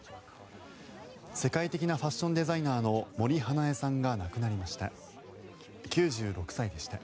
世界的なファッションデザイナーの森英恵さんが亡くなりました。